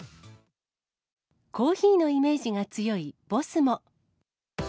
コーヒーのイメージが強いボスも。